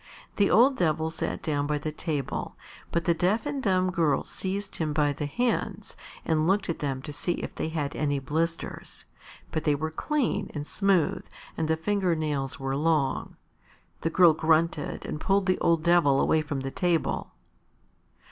The old Devil sat down by the table, but the deaf and dumb girl seized him by the hands and looked at them to see if they had any blisters, but they were clean and smooth and the finger nails were long. The girl grunted and pulled the old Devil away from the table.